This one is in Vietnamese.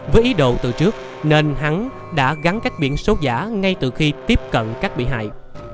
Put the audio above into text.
với ý đồ từ trước nên hắn đã gắn cách biển số giả ngay từ khi tiếp cận các bị hại